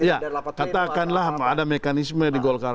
ya katakanlah ada mekanisme di golkar